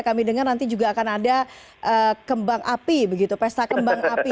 kami dengar nanti juga akan ada kembang api begitu pesta kembang api